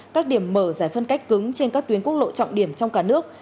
các điểm mở giải phân cách cứng trên các tuyến quốc lộ trọng điểm trong cả nước